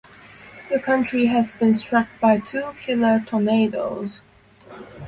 The county has been struck by two killer tornadoes.